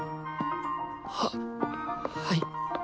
ははい。